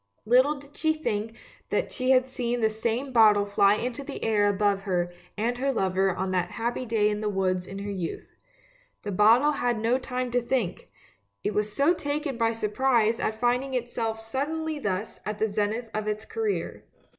Little did she think that she had seen the same bottle fly into the air above her and her lover on that happy day in the woods in her youth. The bottle had no time to think, it was so taken by surprise at find ing itself suddenly thus at the zenith of its career.